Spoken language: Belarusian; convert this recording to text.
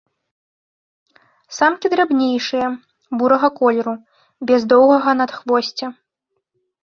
Самкі драбнейшыя, бурага колеру, без доўгага надхвосця.